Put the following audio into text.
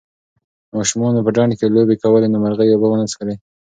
ماشومانو په ډنډ کې لوبې کولې نو مرغۍ اوبه ونه څښلې.